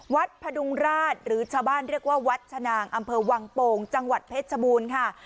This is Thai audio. พระดุงราชหรือชาวบ้านเรียกว่าวัดชนางอำเภอวังโป่งจังหวัดเพชรชบูรณ์ค่ะ